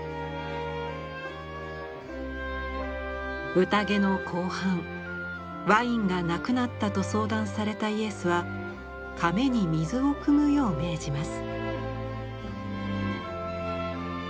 うたげの後半ワインがなくなったと相談されたイエスは甕に水をくむよう命じます。